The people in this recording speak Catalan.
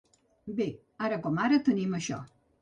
Bé, ara com ara tenim això.